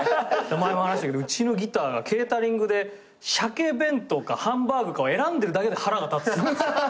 前も話したけどうちのギターがケータリングでシャケ弁当かハンバーグかを選んでるだけで腹が立つんですよ。